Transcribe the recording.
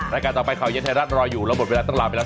รายการต่อไปข่าวเย็นไทยรัฐรออยู่เราหมดเวลาต้องลาไปแล้ว